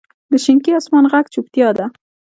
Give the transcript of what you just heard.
د شینکي اسمان ږغ چوپتیا ده.